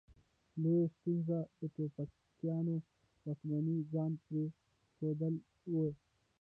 لویه ستونزه د ټوپکیانو واکمني ځان پرې ښودل وه.